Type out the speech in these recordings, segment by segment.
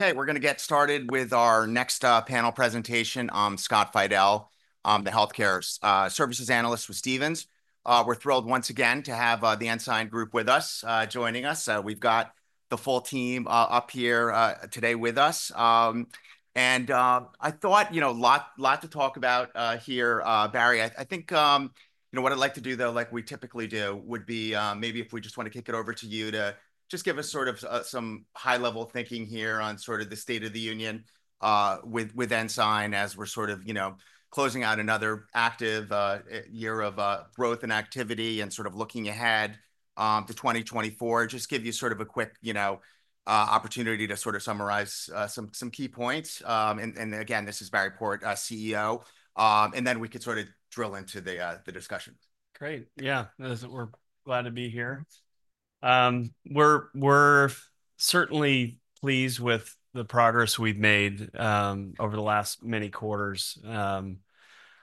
Hey, we're going to get started with our next panel presentation on Scott Fidel, the Healthcare Services Analyst with Stephens. We're thrilled once again to have the Ensign Group with us, joining us. We've got the full team up here today with us. And I thought, you know, a lot to talk about here, Barry. I think, you know, what I'd like to do, though, like we typically do, would be maybe if we just want to kick it over to you to just give us sort of some high-level thinking here on sort of the state of the union with Ensign as we're sort of, you know, closing out another active year of growth and activity and sort of looking ahead to 2024. Just give you sort of a quick, you know, opportunity to sort of summarize some key points. And again, this is Barry Port, CEO. And then we could sort of drill into the discussion. Great. Yeah, we're glad to be here. We're certainly pleased with the progress we've made over the last many quarters.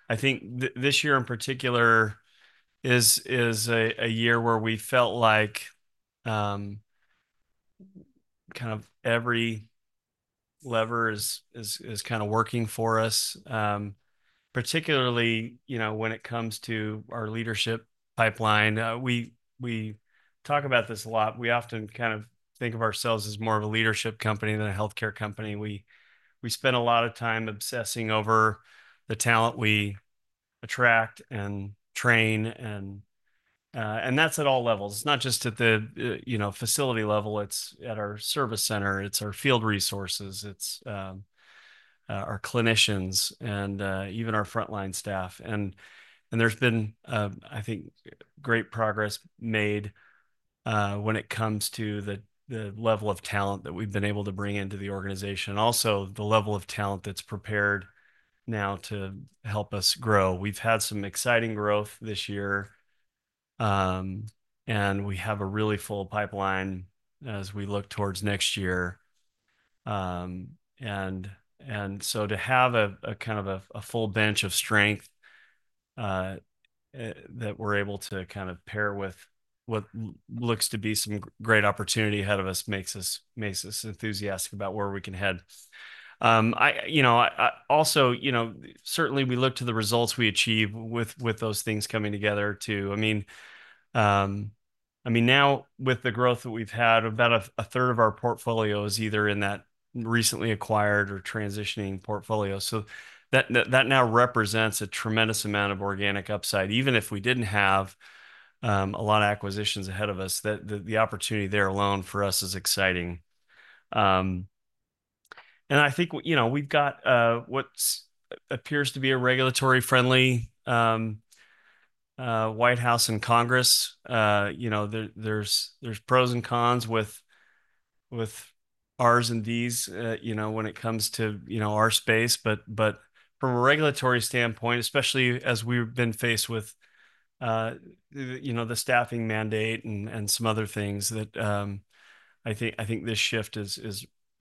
I think this year in particular is a year where we felt like kind of every lever is kind of working for us, particularly, you know, when it comes to our leadership pipeline. We talk about this a lot. We often kind of think of ourselves as more of a leadership company than a healthcare company. We spend a lot of time obsessing over the talent we attract and train, and that's at all levels. It's not just at the, you know, facility level. It's at our service center. It's our field resources. It's our clinicians and even our frontline staff, and there's been, I think, great progress made when it comes to the level of talent that we've been able to bring into the organization. Also, the level of talent that's prepared now to help us grow. We've had some exciting growth this year. And we have a really full pipeline as we look towards next year. And so to have a kind of a full bench of strength that we're able to kind of pair with what looks to be some great opportunity ahead of us makes us enthusiastic about where we can head. You know, also, you know, certainly we look to the results we achieve with those things coming together too. I mean, now with the growth that we've had, about a third of our portfolio is either in that recently acquired or transitioning portfolio. So that now represents a tremendous amount of organic upside. Even if we didn't have a lot of acquisitions ahead of us, the opportunity there alone for us is exciting. I think, you know, we've got what appears to be a regulatory-friendly White House and Congress. You know, there's pros and cons with Rs and Ds, you know, when it comes to, you know, our space. From a regulatory standpoint, especially as we've been faced with, you know, the staffing mandate and some other things that I think this shift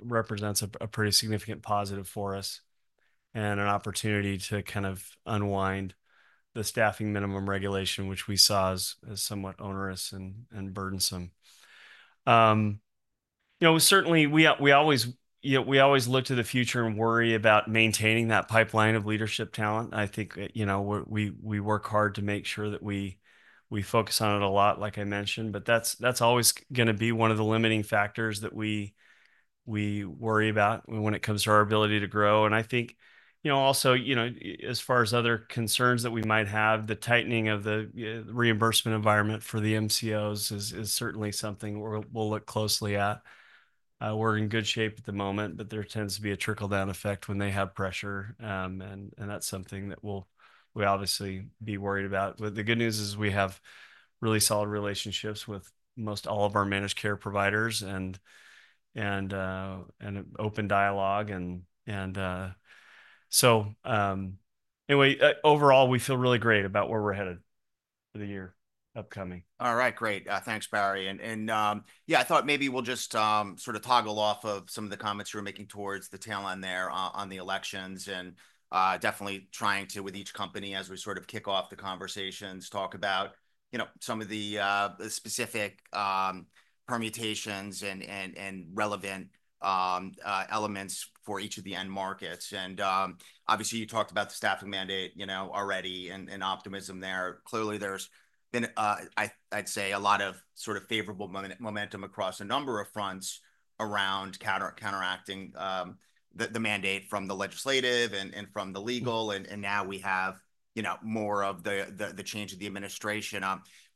represents a pretty significant positive for us and an opportunity to kind of unwind the staffing minimum regulation, which we saw as somewhat onerous and burdensome. You know, certainly we always look to the future and worry about maintaining that pipeline of leadership talent. I think, you know, we work hard to make sure that we focus on it a lot, like I mentioned. That's always going to be one of the limiting factors that we worry about when it comes to our ability to grow. I think, you know, also, you know, as far as other concerns that we might have, the tightening of the reimbursement environment for the MCOs is certainly something we'll look closely at. We're in good shape at the moment, but there tends to be a trickle-down effect when they have pressure. That's something that we'll obviously be worried about. The good news is we have really solid relationships with most all of our managed care providers and an open dialogue. So anyway, overall, we feel really great about where we're headed for the year upcoming. All right, great. Thanks, Barry. And yeah, I thought maybe we'll just sort of toggle off of some of the comments you were making toward the end there on the elections and definitely trying to, with each company, as we sort of kick off the conversations, talk about, you know, some of the specific permutations and relevant elements for each of the end markets. And obviously, you talked about the staffing mandate, you know, already and optimism there. Clearly, there's been, I'd say, a lot of sort of favorable momentum across a number of fronts around counteracting the mandate from the legislative and from the legal. And now we have, you know, more of the change of the administration.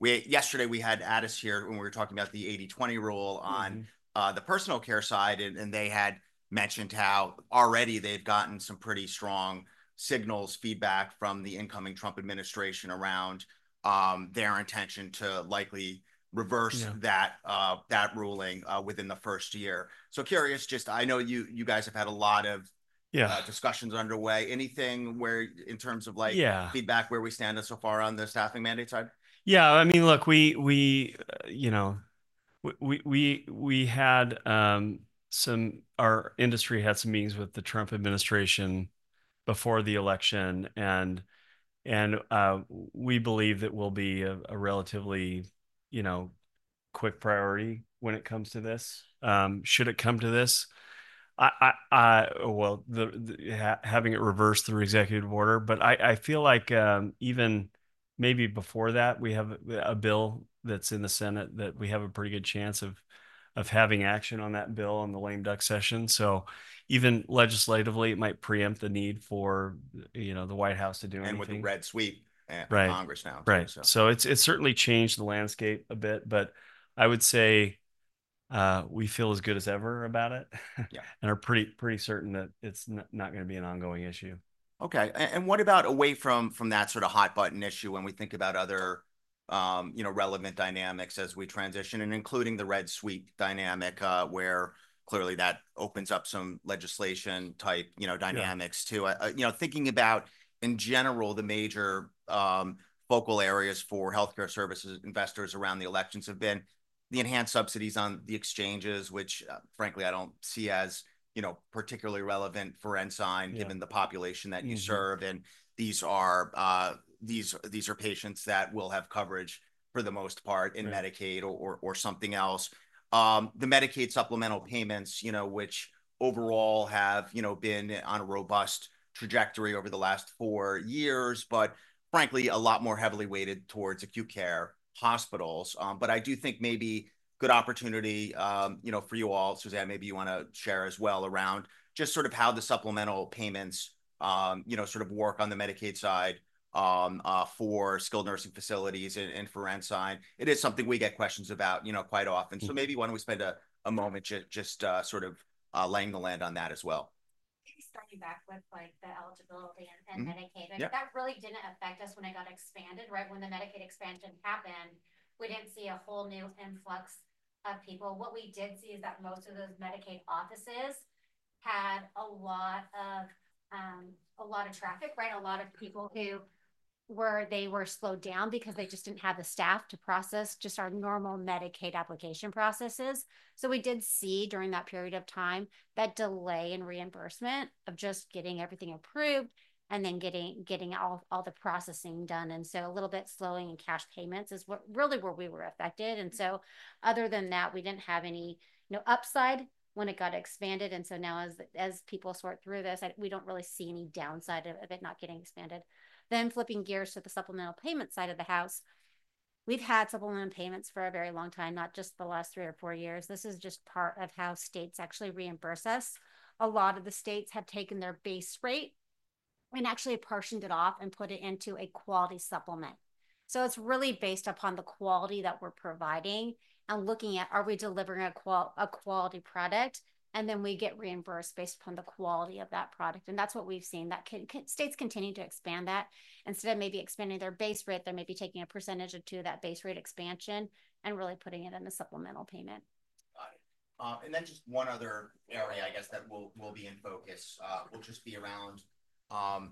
Yesterday, we had Addus here when we were talking about the 80/20 rule on the personal care side. And they had mentioned how already they've gotten some pretty strong signals, feedback from the incoming Trump administration around their intention to likely reverse that ruling within the first year. So, curious, just I know you guys have had a lot of discussions underway. Anything in terms of, like, feedback where we stand so far on the staffing mandate side? Yeah, I mean, look, you know, our industry had some meetings with the Trump administration before the election and we believe that we'll be a relatively, you know, quick priority when it comes to this, should it come to this? Well, having it reversed through executive order, but I feel like even maybe before that, we have a bill that's in the Senate that we have a pretty good chance of having action on that bill on the lame duck session, so even legislatively, it might preempt the need for, you know, the White House to do anything. With the red sweep in Congress now. Right. So it's certainly changed the landscape a bit. But I would say we feel as good as ever about it. And we're pretty certain that it's not going to be an ongoing issue. Okay. And what about away from that sort of hot button issue when we think about other, you know, relevant dynamics as we transition, including the red sweep dynamic, where clearly that opens up some legislation type, you know, dynamics too? You know, thinking about, in general, the major focal areas for healthcare services investors around the elections have been the enhanced subsidies on the exchanges, which, frankly, I don't see as, you know, particularly relevant for Ensign given the population that you serve, and these are patients that will have coverage for the most part in Medicaid or something else. The Medicaid supplemental payments, you know, which overall have, you know, been on a robust trajectory over the last four years, but frankly, a lot more heavily weighted towards acute care hospitals. But I do think maybe good opportunity, you know, for you all, Suzanne, maybe you want to share as well around just sort of how the supplemental payments, you know, sort of work on the Medicaid side for skilled nursing facilities and for Ensign. It is something we get questions about, you know, quite often. So maybe why don't we spend a moment just sort of laying the lay of the land on that as well. Starting back with, like, the eligibility and Medicaid, that really didn't affect us when it got expanded, right? When the Medicaid expansion happened, we didn't see a whole new influx of people. What we did see is that most of those Medicaid offices had a lot of traffic, right? A lot of people who were slowed down because they just didn't have the staff to process just our normal Medicaid application processes. So we did see during that period of time that delay in reimbursement of just getting everything approved and then getting all the processing done, and so a little bit slowing in cash payments is really where we were affected, and so other than that, we didn't have any upside when it got expanded, and so now as people sort through this, we don't really see any downside of it not getting expanded. Then flipping gears to the supplemental payment side of the house, we've had supplemental payments for a very long time, not just the last three or four years. This is just part of how states actually reimburse us. A lot of the states have taken their base rate and actually portioned it off and put it into a quality supplement. So it's really based upon the quality that we're providing and looking at, are we delivering a quality product? And then we get reimbursed based upon the quality of that product. And that's what we've seen. That states continue to expand that. Instead of maybe expanding their base rate, they're maybe taking a percentage or two of that base rate expansion and really putting it in the supplemental payment. Got it. And then just one other area, I guess, that will be in focus will just be around,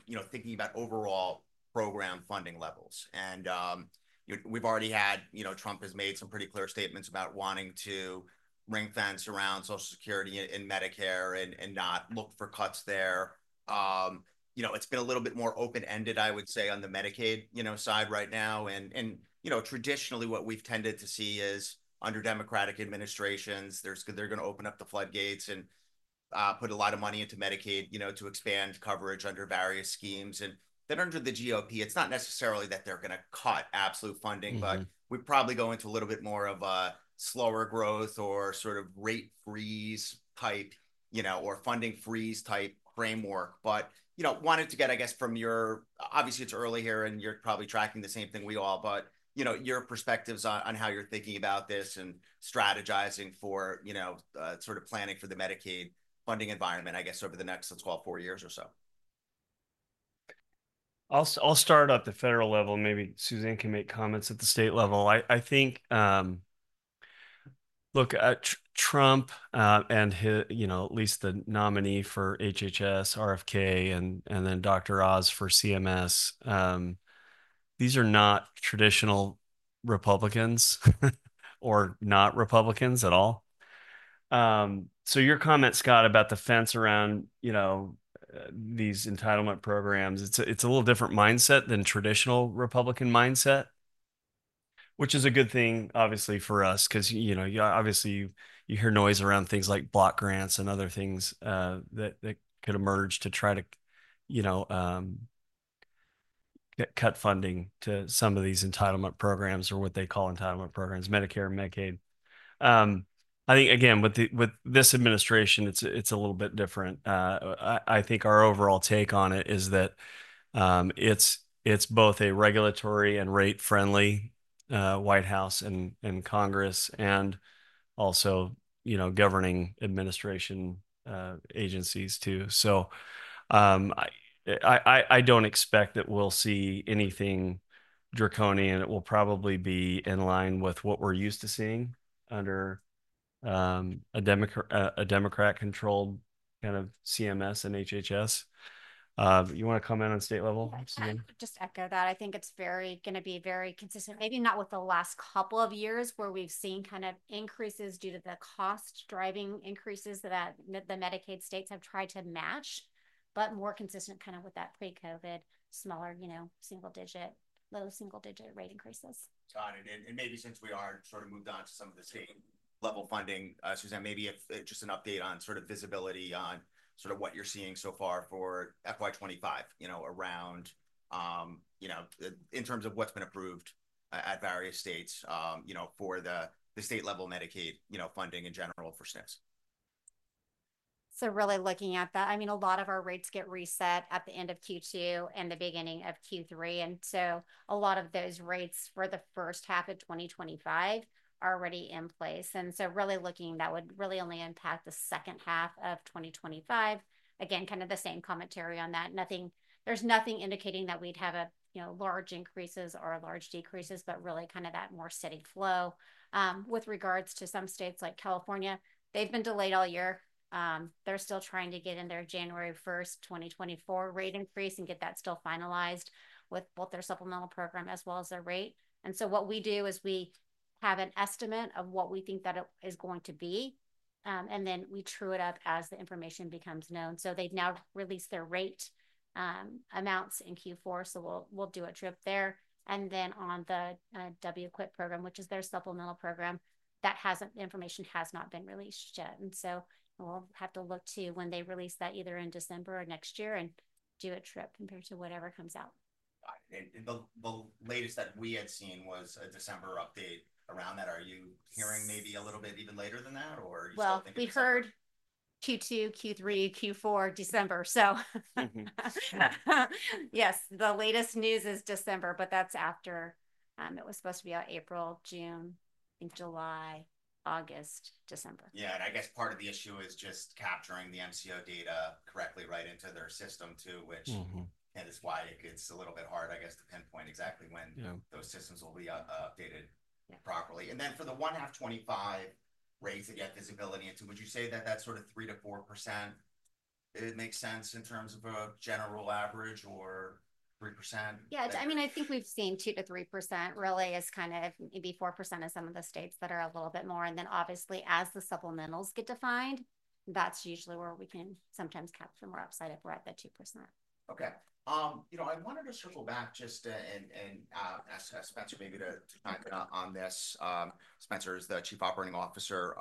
you know, thinking about overall program funding levels. And we've already had, you know, Trump has made some pretty clear statements about wanting to ring-fence around social security and Medicare and not look for cuts there. You know, it's been a little bit more open-ended, I would say, on the Medicaid, you know, side right now. And, you know, traditionally, what we've tended to see is under Democratic administrations, they're going to open up the floodgates and put a lot of money into Medicaid, you know, to expand coverage under various schemes. And then under the GOP, it's not necessarily that they're going to cut absolute funding, but we probably go into a little bit more of a slower growth or sort of rate freeze type, you know, or funding freeze type framework. But, you know, I wanted to get, I guess, from you, obviously. It's early here and you're probably tracking the same thing we all, but, you know, your perspectives on how you're thinking about this and strategizing for, you know, sort of planning for the Medicaid funding environment, I guess, over the next, let's call it four years or so. I'll start at the federal level. Maybe Suzanne can make comments at the state level. I think, look, Trump and his, you know, at least the nominee for HHS, RFK, and then Dr. Oz for CMS, these are not traditional Republicans or not Republicans at all. So your comments, Scott, about the fence around, you know, these entitlement programs, it's a little different mindset than traditional Republican mindset, which is a good thing, obviously, for us because, you know, obviously, you hear noise around things like block grants and other things that could emerge to try to, you know, cut funding to some of these entitlement programs or what they call entitlement programs, Medicare and Medicaid. I think, again, with this administration, it's a little bit different. I think our overall take on it is that it's both a regulatory and rate-friendly White House and Congress and also, you know, governing administration agencies too. So I don't expect that we'll see anything draconian. It will probably be in line with what we're used to seeing under a Democrat-controlled kind of CMS and HHS. You want to comment on state level? I would just echo that. I think it's going to be very consistent, maybe not with the last couple of years where we've seen kind of increases due to the cost-driving increases that the Medicaid states have tried to match, but more consistent kind of with that pre-COVID, smaller, you know, single-digit, low single-digit rate increases. Got it. And maybe since we are sort of moved on to some of the state-level funding, Suzanne, maybe just an update on sort of visibility on sort of what you're seeing so far for FY25, you know, around, you know, in terms of what's been approved at various states, you know, for the state-level Medicaid, you know, funding in general for SNFs. So really looking at that, I mean, a lot of our rates get reset at the end of Q2 and the beginning of Q3, and so a lot of those rates for the first half of 2025 are already in place, and so really looking, that would really only impact the second half of 2025. Again, kind of the same commentary on that. There's nothing indicating that we'd have a, you know, large increases or large decreases, but really kind of that more steady flow. With regards to some states like California, they've been delayed all year. They're still trying to get in their January 1st, 2024 rate increase and get that still finalized with both their supplemental program as well as their rate, and so what we do is we have an estimate of what we think that it is going to be. And then we true it up as the information becomes known. So they've now released their rate amounts in Q4. So we'll do a true-up there. And then on the WQIP program, which is their supplemental program, that information has not been released yet. And so we'll have to look to when they release that either in December or next year and do a true-up compared to whatever comes out. Got it. And the latest that we had seen was a December update around that. Are you hearing maybe a little bit even later than that, or? We heard Q2, Q3, Q4, December. So yes, the latest news is December, but that's after it was supposed to be April, June, I think July, August, December. Yeah, and I guess part of the issue is just capturing the MCO data correctly right into their system too, which is why it's a little bit hard, I guess, to pinpoint exactly when those systems will be updated properly, and then for the one-half 2025 rates to get visibility into, would you say that that sort of 3%-4%, it makes sense in terms of a general average or 3%? Yeah. I mean, I think we've seen 2%-3% really is kind of maybe 4% in some of the states that are a little bit more, and then obviously, as the supplementals get defined, that's usually where we can sometimes capture more upside if we're at the 2%. Okay. You know, I wanted to circle back just and ask Spencer maybe to comment on this. Spencer is the Chief Operating Officer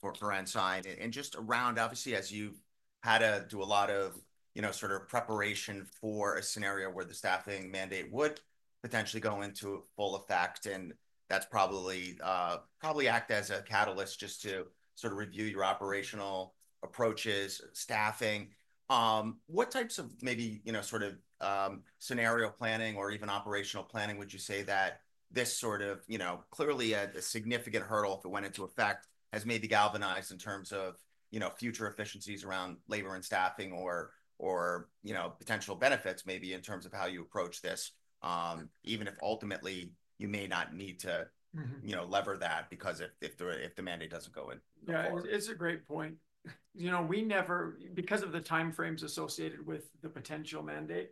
for Ensign. And just around, obviously, as you've had to do a lot of, you know, sort of preparation for a scenario where the staffing mandate would potentially go into full effect. And that's probably act as a catalyst just to sort of review your operational approaches, staffing. What types of maybe, you know, sort of scenario planning or even operational planning would you say that this sort of, you know, clearly a significant hurdle if it went into effect has maybe galvanized in terms of, you know, future efficiencies around labor and staffing or, you know, potential benefits maybe in terms of how you approach this, even if ultimately you may not need to, you know, lever that because if the mandate doesn't go in? Yeah, it's a great point. You know, we never, because of the time frames associated with the potential mandate,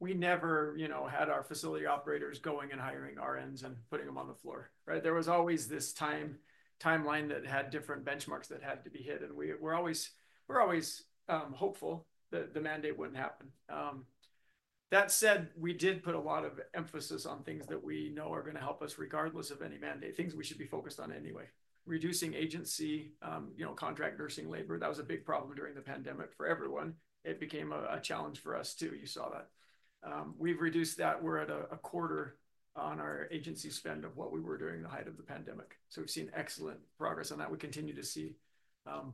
we never, you know, had our facility operators going and hiring RNs and putting them on the floor, right? There was always this timeline that had different benchmarks that had to be hit, and we're always hopeful that the mandate wouldn't happen. That said, we did put a lot of emphasis on things that we know are going to help us regardless of any mandate, things we should be focused on anyway. Reducing agency, you know, contract nursing labor, that was a big problem during the pandemic for everyone. It became a challenge for us too. You saw that. We've reduced that. We're at a quarter on our agency spend of what we were during the height of the pandemic, so we've seen excellent progress on that. We continue to see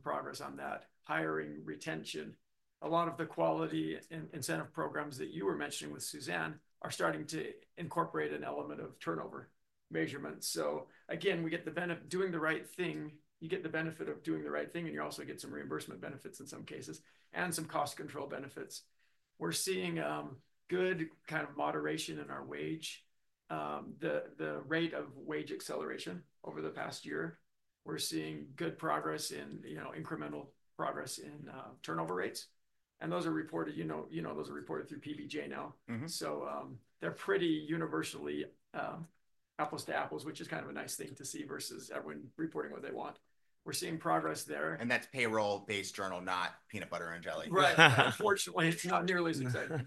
progress on that. Hiring, retention, a lot of the quality incentive programs that you were mentioning with Suzanne are starting to incorporate an element of turnover measurement. So again, we get the benefit of doing the right thing. You get the benefit of doing the right thing, and you also get some reimbursement benefits in some cases and some cost control benefits. We're seeing good kind of moderation in our wage, the rate of wage acceleration over the past year. We're seeing good progress in, you know, incremental progress in turnover rates. And those are reported, you know, those are reported through PBJ now. So they're pretty universally apples to apples, which is kind of a nice thing to see versus everyone reporting what they want. We're seeing progress there. That's Payroll-Based Journal, not peanut butter and jelly. Right. Unfortunately, it's not nearly as exciting,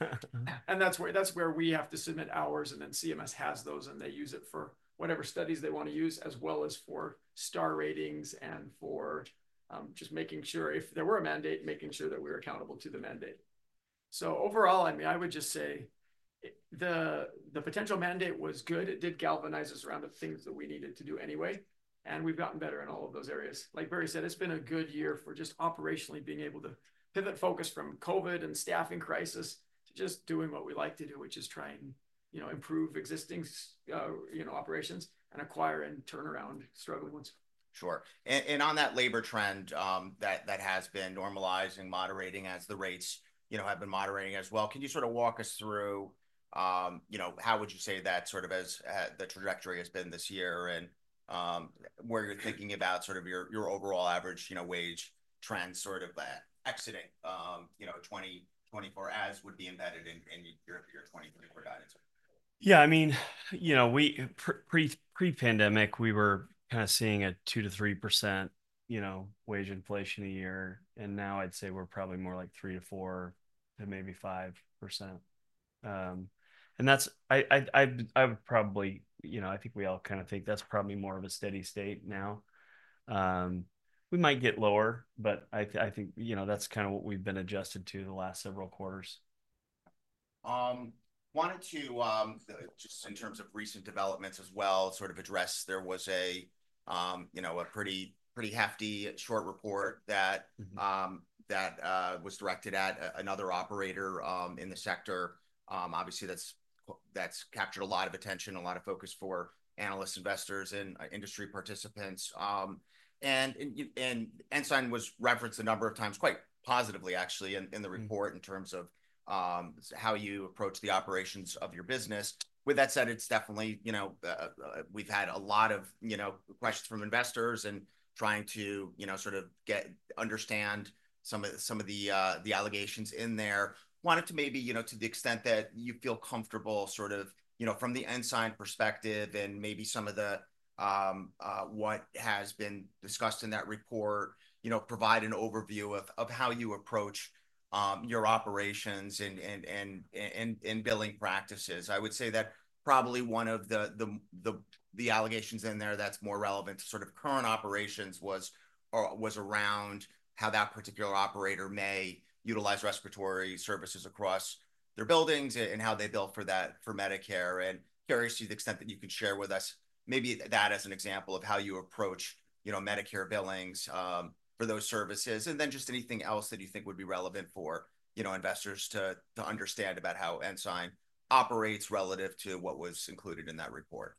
and that's where we have to submit ours, and then CMS has those, and they use it for whatever studies they want to use, as well as for star ratings and for just making sure if there were a mandate, making sure that we were accountable to the mandate, so overall, I mean, I would just say the potential mandate was good. It did galvanize us around the things that we needed to do anyway, and we've gotten better in all of those areas. Like Barry said, it's been a good year for just operationally being able to pivot focus from COVID and staffing crisis to just doing what we like to do, which is trying, you know, improve existing, you know, operations and acquire and turnaround struggling ones. Sure. And on that labor trend that has been normalizing, moderating as the rates, you know, have been moderating as well, can you sort of walk us through, you know, how would you say that sort of as the trajectory has been this year and where you're thinking about sort of your overall average, you know, wage trend sort of exiting, you know, 2024 as would be embedded in your 2024 guidance? Yeah. I mean, you know, pre-pandemic, we were kind of seeing a 2%-3%, you know, wage inflation a year. And now I'd say we're probably more like 3%-4% to maybe 5%. And that's, I would probably, you know, I think we all kind of think that's probably more of a steady state now. We might get lower, but I think, you know, that's kind of what we've been adjusted to the last several quarters. Wanted to just in terms of recent developments as well, sort of address there was a, you know, a pretty hefty short report that was directed at another operator in the sector. Obviously, that's captured a lot of attention, a lot of focus for analysts, investors, and industry participants. And Ensign was referenced a number of times quite positively, actually, in the report in terms of how you approach the operations of your business. With that said, it's definitely, you know, we've had a lot of, you know, questions from investors and trying to, you know, sort of understand some of the allegations in there. Wanted to maybe, you know, to the extent that you feel comfortable sort of, you know, from the Ensign perspective and maybe some of the what has been discussed in that report, you know, provide an overview of how you approach your operations and billing practices. I would say that probably one of the allegations in there that's more relevant to sort of current operations was around how that particular operator may utilize respiratory services across their buildings and how they bill for that for Medicare, and curious to the extent that you could share with us maybe that as an example of how you approach, you know, Medicare billings for those services, and then just anything else that you think would be relevant for, you know, investors to understand about how Ensign operates relative to what was included in that report.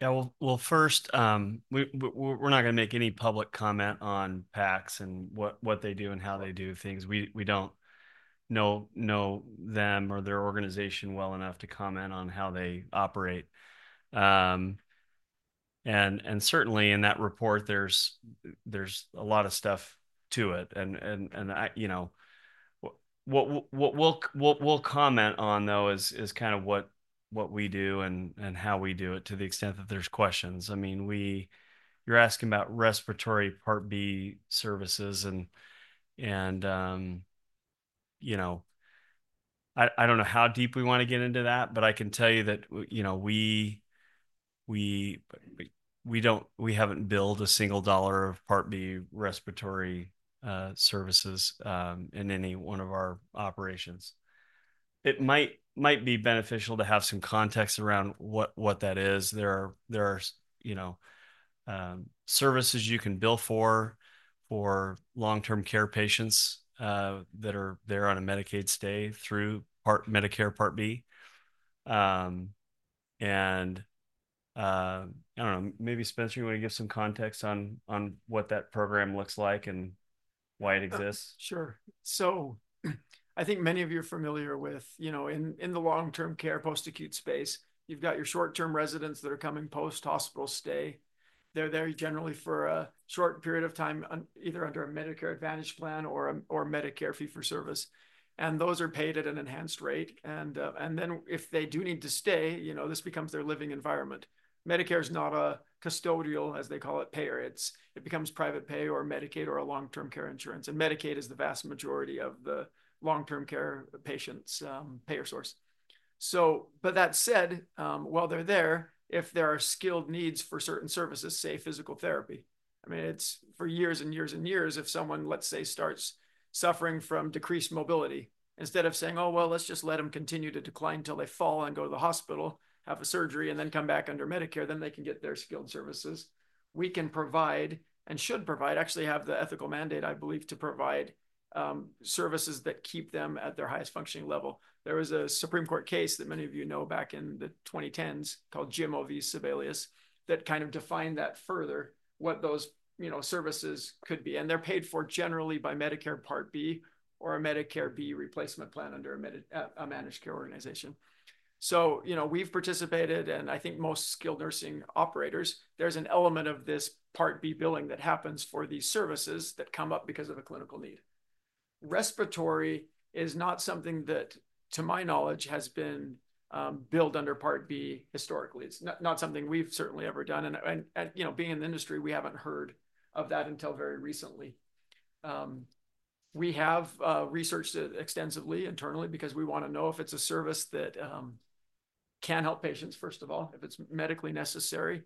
Yeah. Well, first, we're not going to make any public comment on PACS and what they do and how they do things. We don't know them or their organization well enough to comment on how they operate. And certainly in that report, there's a lot of stuff to it. And, you know, what we'll comment on, though, is kind of what we do and how we do it to the extent that there's questions. I mean, you're asking about respiratory Part B services. And, you know, I don't know how deep we want to get into that, but I can tell you that, you know, we haven't billed a single dollar of Part B respiratory services in any one of our operations. It might be beneficial to have some context around what that is. There are, you know, services you can bill for for long-term care patients that are there on a Medicaid stay through Medicare Part B. And I don't know, maybe Spencer, you want to give some context on what that program looks like and why it exists? Sure. So I think many of you are familiar with, you know, in the long-term care post-acute space, you've got your short-term residents that are coming post-hospital stay. They're there generally for a short period of time, either under a Medicare Advantage plan or Medicare Fee-For-Service. And those are paid at an enhanced rate. And then if they do need to stay, you know, this becomes their living environment. Medicare is not a custodial, as they call it, payer. It becomes private pay or Medicaid or a long-term care insurance. And Medicaid is the vast majority of the long-term care patients' payer source. But that said, while they're there, if there are skilled needs for certain services, say physical therapy, I mean, it's for years and years and years, if someone, let's say, starts suffering from decreased mobility, instead of saying, "Oh, well, let's just let them continue to decline until they fall and go to the hospital, have a surgery, and then come back under Medicare, then they can get their skilled services," we can provide and should provide, actually have the ethical mandate, I believe, to provide services that keep them at their highest functioning level. There was a Supreme Court case that many of you know back in the 2010s called Jimmo v. Sebelius that kind of defined that further, what those, you know, services could be. And they're paid for generally by Medicare Part B or a Medicare B replacement plan under a managed care organization. So, you know, we've participated, and I think most skilled nursing operators, there's an element of this Part B billing that happens for these services that come up because of a clinical need. Respiratory is not something that, to my knowledge, has been billed under Part B historically. It's not something we've certainly ever done. And, you know, being in the industry, we haven't heard of that until very recently. We have researched extensively internally because we want to know if it's a service that can help patients, first of all, if it's medically necessary.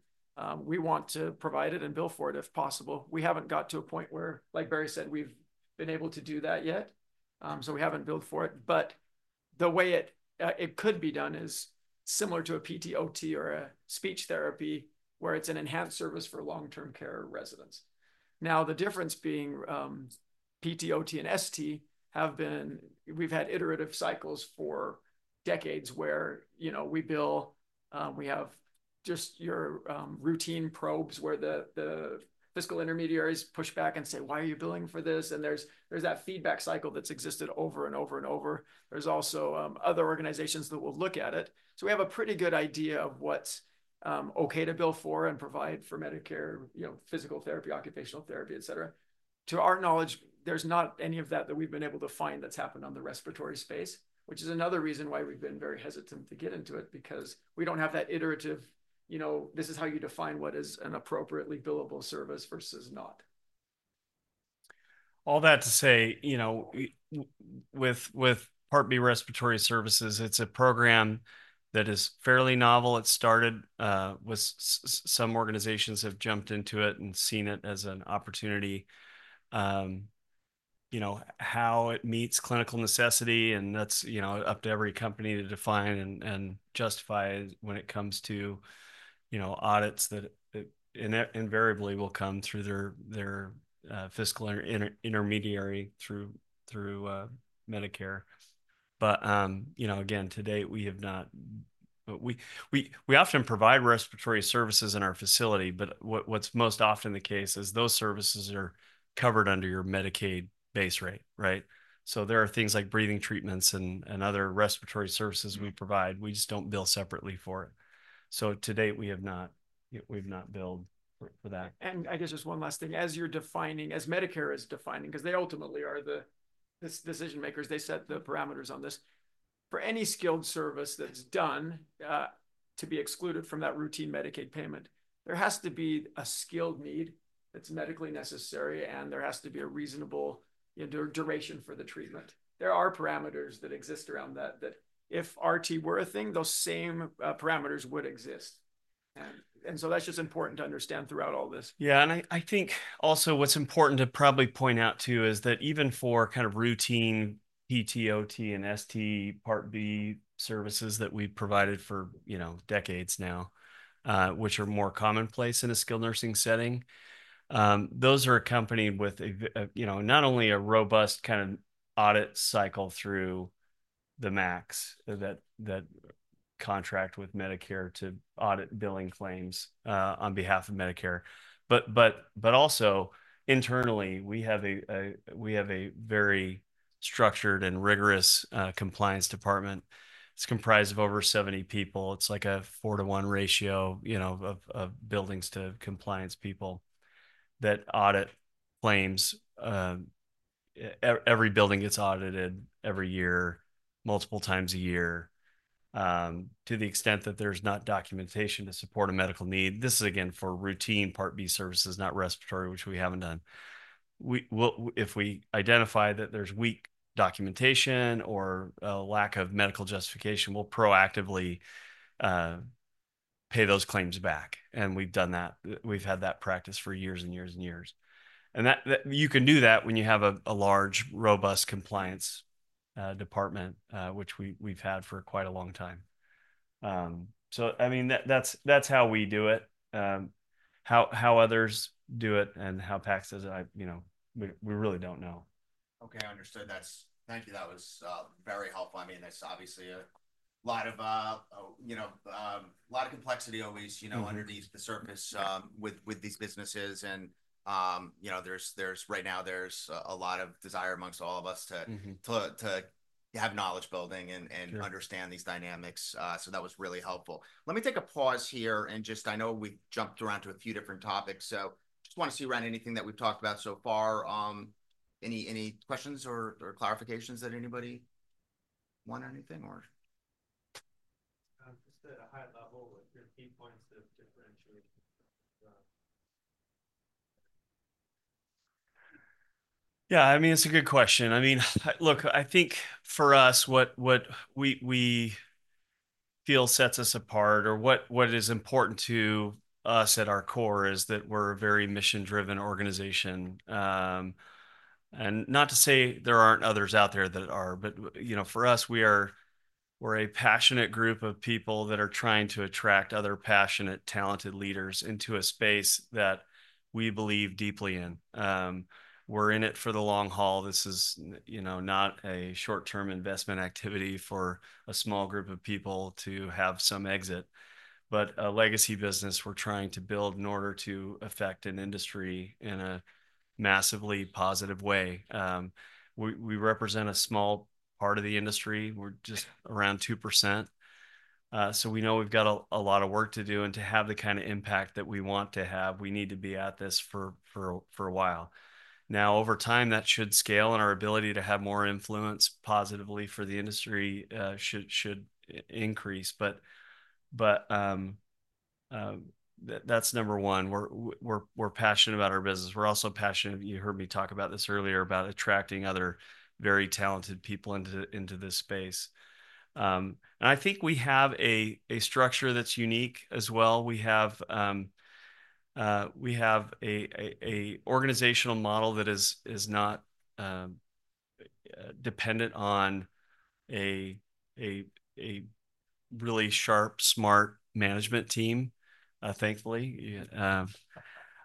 We want to provide it and bill for it if possible. We haven't got to a point where, like Barry said, we've been able to do that yet. So we haven't billed for it. But the way it could be done is similar to a PT, OT or a speech therapy where it's an enhanced service for long-term care residents. Now, the difference being PT, OT, and ST have been, we've had iterative cycles for decades where, you know, we bill, we have just your routine probes where the fiscal intermediaries push back and say, "Why are you billing for this?" And there's that feedback cycle that's existed over and over and over. There's also other organizations that will look at it. So we have a pretty good idea of what's okay to bill for and provide for Medicare, you know, physical therapy, occupational therapy, et cetera. To our knowledge, there's not any of that that we've been able to find that's happened on the respiratory space, which is another reason why we've been very hesitant to get into it because we don't have that iterative, you know, this is how you define what is an appropriately billable service versus not. All that to say, you know, with Part B respiratory services, it's a program that is fairly novel. It started with some organizations have jumped into it and seen it as an opportunity, you know, how it meets clinical necessity. And that's, you know, up to every company to define and justify when it comes to, you know, audits that invariably will come through their fiscal intermediary through Medicare. But, you know, again, to date, we have not. We often provide respiratory services in our facility, but what's most often the case is those services are covered under your Medicaid base rate, right? So there are things like breathing treatments and other respiratory services we provide. We just don't bill separately for it. So to date, we have not. We've not billed for that. And I guess just one last thing, as you're defining, as Medicare is defining, because they ultimately are the decision makers, they set the parameters on this. For any skilled service that's done to be excluded from that routine Medicaid payment, there has to be a skilled need that's medically necessary, and there has to be a reasonable duration for the treatment. There are parameters that exist around that that if RT were a thing, those same parameters would exist. And so that's just important to understand throughout all this. Yeah. And I think also what's important to probably point out too is that even for kind of routine PT, OT, and ST Part B services that we've provided for, you know, decades now, which are more commonplace in a skilled nursing setting, those are accompanied with, you know, not only a robust kind of audit cycle through the MACs that contract with Medicare to audit billing claims on behalf of Medicare, but also internally, we have a very structured and rigorous compliance department. It's comprised of over 70 people. It's like a four-to-one ratio, you know, of buildings to compliance people that audit claims. Every building gets audited every year, multiple times a year, to the extent that there's not documentation to support a medical need. This is again for routine Part B services, not respiratory, which we haven't done. If we identify that there's weak documentation or a lack of medical justification, we'll proactively pay those claims back. And we've done that. We've had that practice for years and years and years. And you can do that when you have a large, robust compliance department, which we've had for quite a long time. So, I mean, that's how we do it, how others do it, and how PACS does it, you know, we really don't know. Okay. I understood. Thank you. That was very helpful. I mean, it's obviously a lot of, you know, a lot of complexity always, you know, underneath the surface with these businesses. And, you know, there's right now, there's a lot of desire amongst all of us to have knowledge building and understand these dynamics. So that was really helpful. Let me take a pause here and just, I know we've jumped around to a few different topics. So just want to see around anything that we've talked about so far. Any questions or clarifications that anybody want anything or? Just at a high level, what are your key points to differentiate? Yeah. I mean, it's a good question. I mean, look, I think for us, what we feel sets us apart or what is important to us at our core is that we're a very mission-driven organization. And not to say there aren't others out there that are, but, you know, for us, we are a passionate group of people that are trying to attract other passionate, talented leaders into a space that we believe deeply in. We're in it for the long haul. This is, you know, not a short-term investment activity for a small group of people to have some exit, but a legacy business we're trying to build in order to affect an industry in a massively positive way. We represent a small part of the industry. We're just around 2%. So we know we've got a lot of work to do. And to have the kind of impact that we want to have, we need to be at this for a while. Now, over time, that should scale and our ability to have more influence positively for the industry should increase. But that's number one. We're passionate about our business. We're also passionate. You heard me talk about this earlier about attracting other very talented people into this space. And I think we have a structure that's unique as well. We have an organizational model that is not dependent on a really sharp, smart management team, thankfully.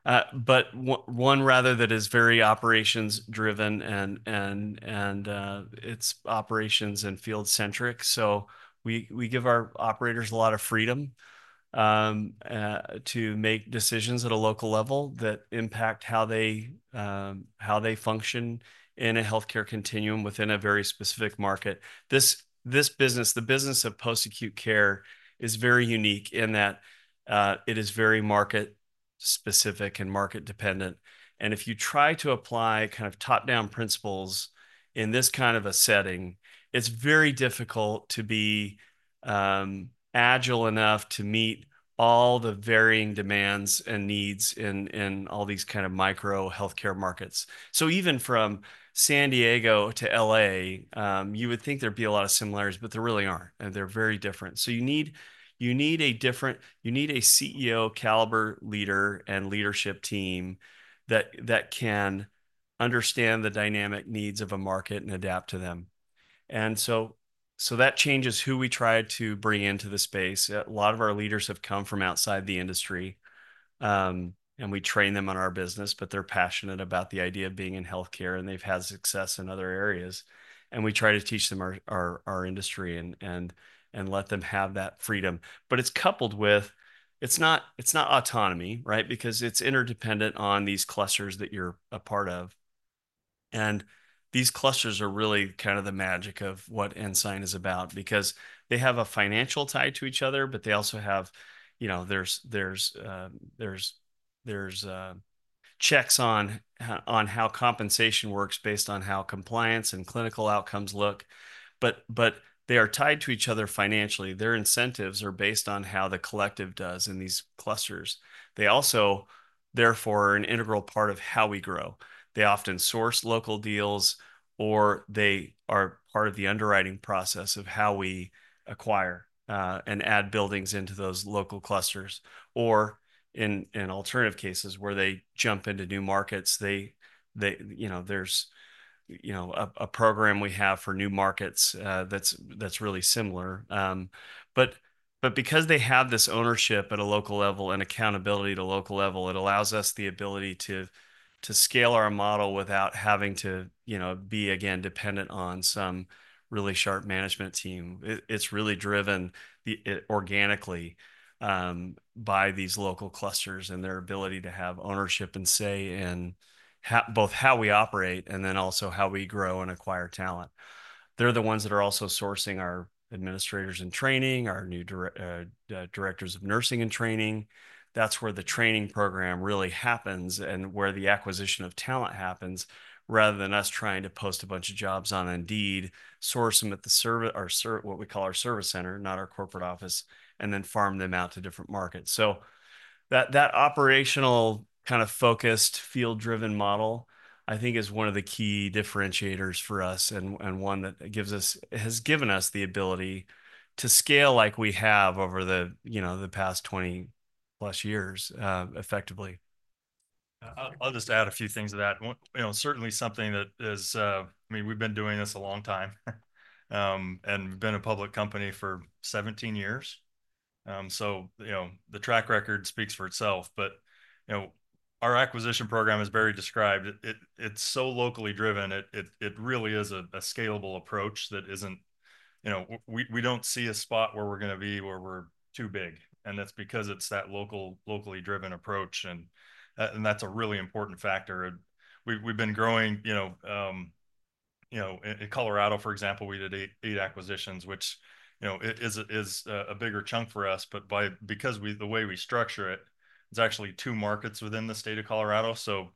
But one rather that is very operations-driven, and it's operations and field-centric. So we give our operators a lot of freedom to make decisions at a local level that impact how they function in a healthcare continuum within a very specific market. This business, the business of post-acute care, is very unique in that it is very market-specific and market-dependent. And if you try to apply kind of top-down principles in this kind of a setting, it's very difficult to be agile enough to meet all the varying demands and needs in all these kind of micro healthcare markets. So even from San Diego to LA, you would think there'd be a lot of similarities, but there really aren't. And they're very different. So you need a different CEO-caliber leader and leadership team that can understand the dynamic needs of a market and adapt to them. And so that changes who we try to bring into the space. A lot of our leaders have come from outside the industry, and we train them on our business, but they're passionate about the idea of being in healthcare, and they've had success in other areas. And we try to teach them our industry and let them have that freedom. But it's coupled with, it's not autonomy, right? Because it's interdependent on these clusters that you're a part of. And these clusters are really kind of the magic of what Ensign is about because they have a financial tie to each other, but they also have, you know, there's checks on how compensation works based on how compliance and clinical outcomes look. But they are tied to each other financially. Their incentives are based on how the collective does in these clusters. They also, therefore, are an integral part of how we grow. They often source local deals, or they are part of the underwriting process of how we acquire and add buildings into those local clusters. Or in alternative cases where they jump into new markets, you know, there's, you know, a program we have for new markets that's really similar. But because they have this ownership at a local level and accountability at a local level, it allows us the ability to scale our model without having to, you know, be again dependent on some really sharp management team. It's really driven organically by these local clusters and their ability to have ownership and say in both how we operate and then also how we grow and acquire talent. They're the ones that are also sourcing our administrators and training, our new directors of nursing and training. That's where the training program really happens and where the acquisition of talent happens rather than us trying to post a bunch of jobs on Indeed, source them at the service, what we call our service center, not our corporate office, and then farm them out to different markets. So that operational kind of focused field-driven model, I think, is one of the key differentiators for us and one that has given us the ability to scale like we have over the, you know, the past 20+ years effectively. I'll just add a few things to that. You know, certainly something that is. I mean, we've been doing this a long time and we've been a public company for 17 years. So, you know, the track record speaks for itself. But, you know, our acquisition program is very disciplined. It's so locally driven. It really is a scalable approach that isn't. You know, we don't see a spot where we're going to be where we're too big. And that's because it's that locally driven approach. And that's a really important factor. We've been growing, you know, in Colorado, for example. We did eight acquisitions, which, you know, is a bigger chunk for us. But because the way we structure it, it's actually two markets within the state of Colorado. So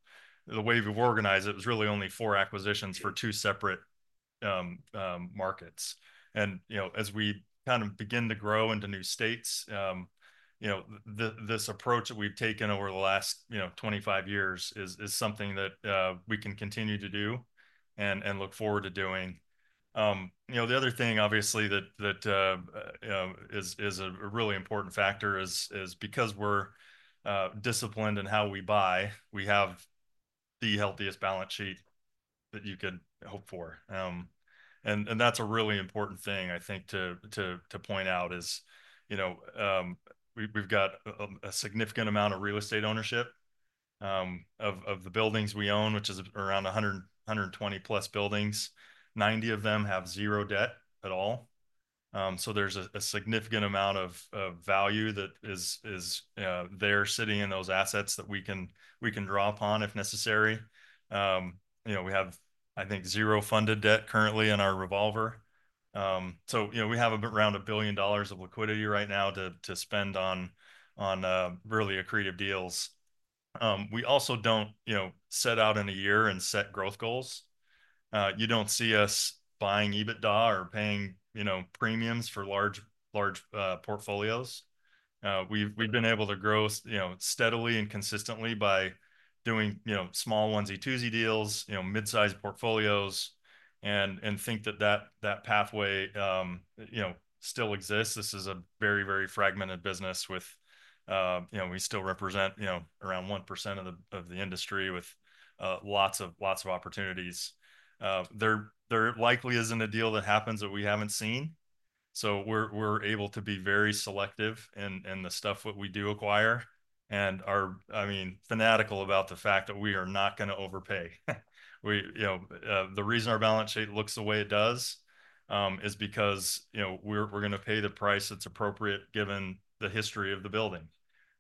the way we've organized it was really only four acquisitions for two separate markets. You know, as we kind of begin to grow into new states, you know, this approach that we've taken over the last, you know, 25 years is something that we can continue to do and look forward to doing. You know, the other thing, obviously, that is a really important factor is because we're disciplined in how we buy, we have the healthiest balance sheet that you could hope for. That's a really important thing, I think, to point out is, you know, we've got a significant amount of real estate ownership of the buildings we own, which is around 120+ buildings. 90 of them have zero debt at all. So there's a significant amount of value that is there sitting in those assets that we can draw upon if necessary. You know, we have, I think, zero funded debt currently in our revolver. So, you know, we have around $1 billion of liquidity right now to spend on really accretive deals. We also don't, you know, set out in a year and set growth goals. You don't see us buying EBITDA or paying, you know, premiums for large portfolios. We've been able to grow, you know, steadily and consistently by doing, you know, small onesie-twosie deals, you know, mid-sized portfolios and think that that pathway, you know, still exists. This is a very, very fragmented business with, you know, we still represent, you know, around 1% of the industry with lots of opportunities. There likely isn't a deal that happens that we haven't seen. So we're able to be very selective in the stuff that we do acquire and are, I mean, fanatical about the fact that we are not going to overpay. You know, the reason our balance sheet looks the way it does is because, you know, we're going to pay the price that's appropriate given the history of the building,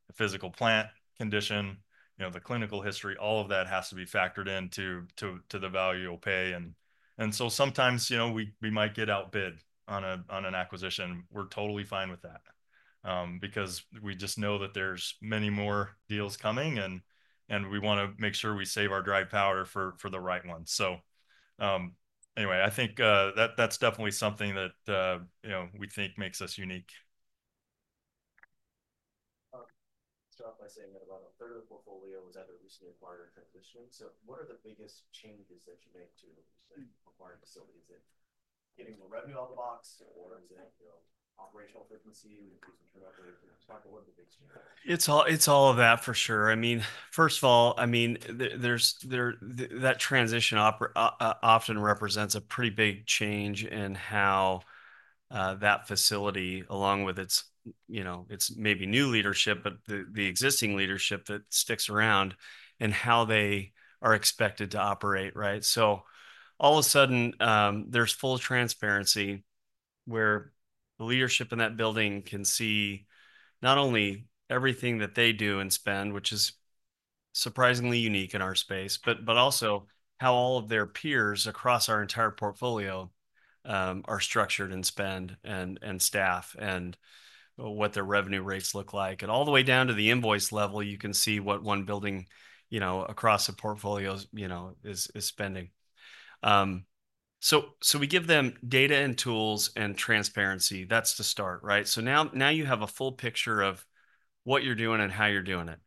the physical plant condition, you know, the clinical history, all of that has to be factored into the value we'll pay, and so sometimes, you know, we might get outbid on an acquisition. We're totally fine with that because we just know that there's many more deals coming and we want to make sure we save our dry powder for the right ones, so anyway, I think that's definitely something that, you know, we think makes us unique. Start by saying that about a third of the portfolio is either recently acquired or transitioning. So what are the biggest changes that you make to acquiring facilities? Is it getting more revenue out of the box, or is it operational efficiency, increasing turnover? What are the biggest changes? It's all of that for sure. I mean, first of all, I mean, that transition often represents a pretty big change in how that facility, along with its, you know, its maybe new leadership, but the existing leadership that sticks around and how they are expected to operate, right? So all of a sudden, there's full transparency where the leadership in that building can see not only everything that they do and spend, which is surprisingly unique in our space, but also how all of their peers across our entire portfolio are structured and spend and staff and what their revenue rates look like. And all the way down to the invoice level, you can see what one building, you know, across the portfolio, you know, is spending. So we give them data and tools and transparency. That's the start, right? So now you have a full picture of what you're doing and how you're doing it.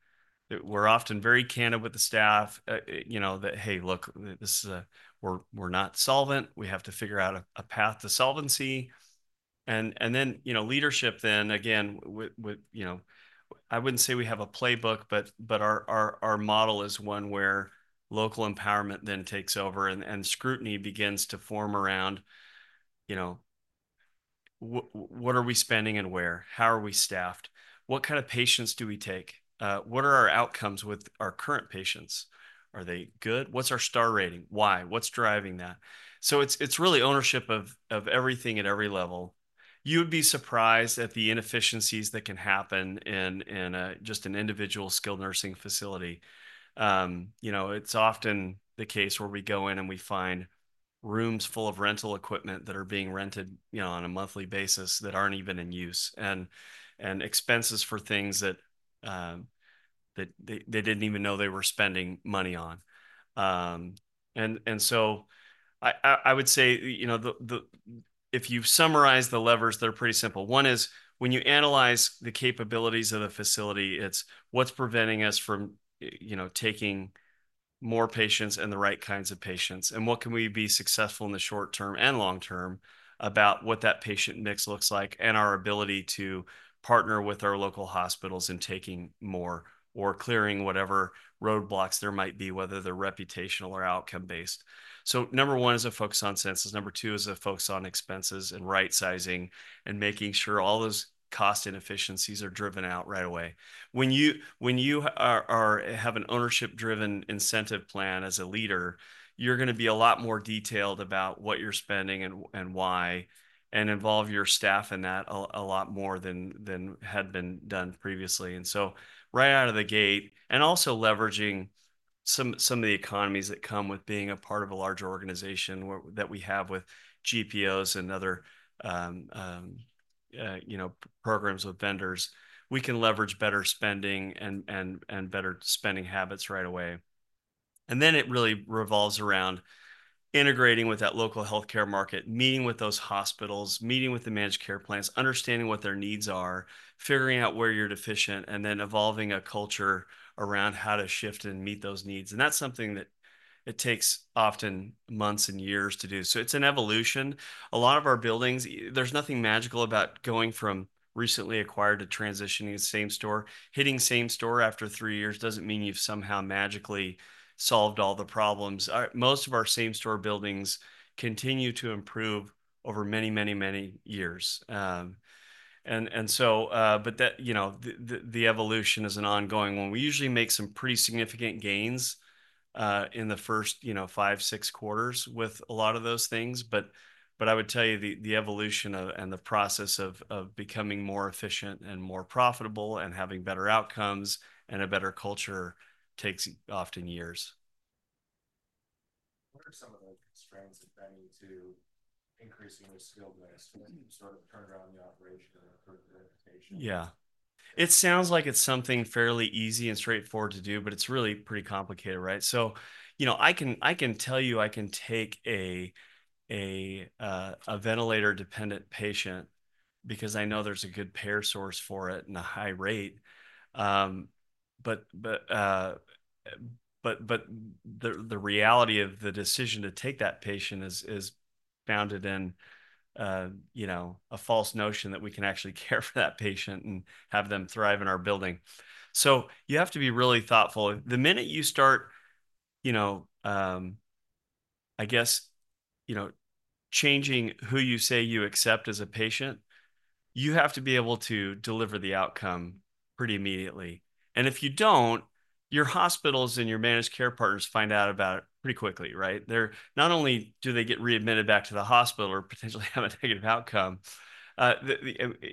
We're often very candid with the staff, you know, that, hey, look, we're not solvent. We have to figure out a path to solvency, and then, you know, leadership then, again, you know, I wouldn't say we have a playbook, but our model is one where local empowerment then takes over and scrutiny begins to form around, you know, what are we spending and where? How are we staffed? What kind of patients do we take? What are our outcomes with our current patients? Are they good? What's our star rating? Why? What's driving that? So it's really ownership of everything at every level. You would be surprised at the inefficiencies that can happen in just an individual skilled nursing facility. You know, it's often the case where we go in and we find rooms full of rental equipment that are being rented, you know, on a monthly basis that aren't even in use and expenses for things that they didn't even know they were spending money on, and so I would say, you know, if you summarize the levers, they're pretty simple. One is when you analyze the capabilities of the facility, it's what's preventing us from, you know, taking more patients and the right kinds of patients and what can we be successful in the short term and long term about what that patient mix looks like and our ability to partner with our local hospitals in taking more or clearing whatever roadblocks there might be, whether they're reputational or outcome-based, so number one is a focus on census. Number two is a focus on expenses and right-sizing and making sure all those cost inefficiencies are driven out right away. When you have an ownership-driven incentive plan as a leader, you're going to be a lot more detailed about what you're spending and why and involve your staff in that a lot more than had been done previously, and so right out of the gate, and also leveraging some of the economies that come with being a part of a large organization that we have with GPOs and other, you know, programs with vendors, we can leverage better spending and better spending habits right away. And then it really revolves around integrating with that local healthcare market, meeting with those hospitals, meeting with the managed care plans, understanding what their needs are, figuring out where you're deficient, and then evolving a culture around how to shift and meet those needs. And that's something that it takes often months and years to do. So it's an evolution. A lot of our buildings, there's nothing magical about going from recently acquired to transitioning to same store. Hitting same store after three years doesn't mean you've somehow magically solved all the problems. Most of our same store buildings continue to improve over many, many, many years. And so, but that, you know, the evolution is an ongoing one. We usually make some pretty significant gains in the first, you know, five, six quarters with a lot of those things. But I would tell you the evolution and the process of becoming more efficient and more profitable and having better outcomes and a better culture takes often years. What are some of the constraints that tend to increase your skilled census? Sort of turn around the operation or improve the reputation? Yeah. It sounds like it's something fairly easy and straightforward to do, but it's really pretty complicated, right? So, you know, I can tell you I can take a ventilator-dependent patient because I know there's a good payer source for it and a high rate. But the reality of the decision to take that patient is founded in, you know, a false notion that we can actually care for that patient and have them thrive in our building. So you have to be really thoughtful. The minute you start, you know, I guess, you know, changing who you say you accept as a patient, you have to be able to deliver the outcome pretty immediately. And if you don't, your hospitals and your managed care partners find out about it pretty quickly, right? Not only do they get readmitted back to the hospital or potentially have a negative outcome, but,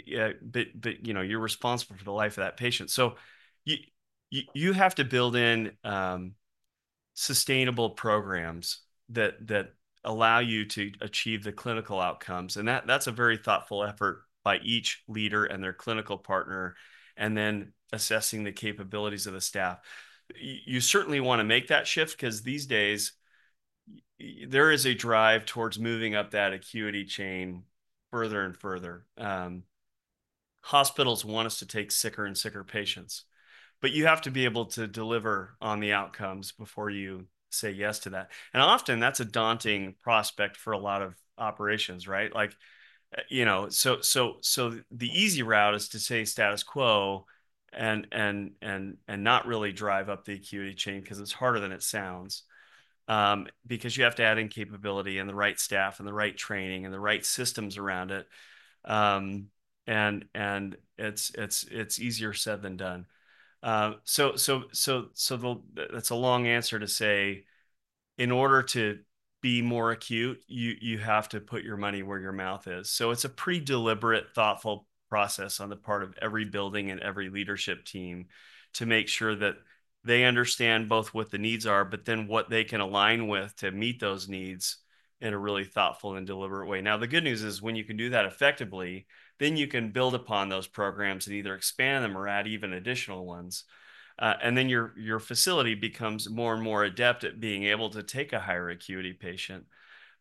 you know, you're responsible for the life of that patient. So you have to build in sustainable programs that allow you to achieve the clinical outcomes. And that's a very thoughtful effort by each leader and their clinical partner. And then assessing the capabilities of the staff. You certainly want to make that shift because these days there is a drive towards moving up that acuity chain further and further. Hospitals want us to take sicker and sicker patients. But you have to be able to deliver on the outcomes before you say yes to that. And often that's a daunting prospect for a lot of operations, right? Like, you know, so the easy route is to say status quo and not really drive up the acuity chain because it's harder than it sounds because you have to add in capability and the right staff and the right training and the right systems around it. And it's easier said than done. So that's a long answer to say in order to be more acute, you have to put your money where your mouth is. So it's a pretty deliberate, thoughtful process on the part of every building and every leadership team to make sure that they understand both what the needs are, but then what they can align with to meet those needs in a really thoughtful and deliberate way. Now, the good news is when you can do that effectively, then you can build upon those programs and either expand them or add even additional ones. Your facility becomes more and more adept at being able to take a higher acuity patient.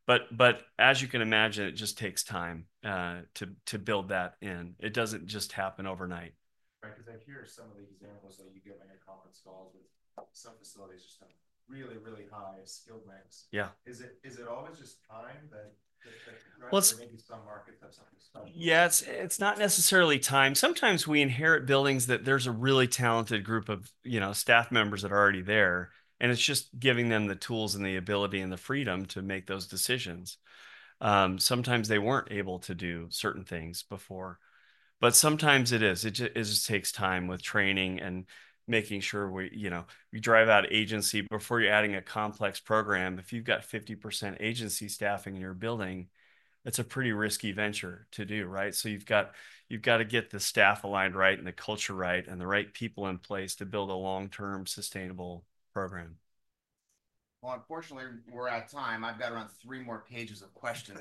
But as you can imagine, it just takes time to build that in. It doesn't just happen overnight. Right, because I hear some of the examples that you give on your conference calls with some facilities just have really, really high skilled mix. Yeah. Is it always just time that maybe some markets have something special? Yeah, it's not necessarily time. Sometimes we inherit buildings that there's a really talented group of, you know, staff members that are already there, and it's just giving them the tools and the ability and the freedom to make those decisions. Sometimes they weren't able to do certain things before, but sometimes it is. It just takes time with training and making sure we, you know, you drive out agency before you're adding a complex program. If you've got 50% agency staffing in your building, it's a pretty risky venture to do, right, so you've got to get the staff aligned right and the culture right and the right people in place to build a long-term sustainable program. Well, unfortunately, we're out of time. I've got around three more pages of questions.